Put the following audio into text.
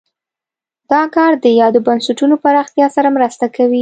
دا کار د یادو بنسټونو پراختیا سره مرسته کوي.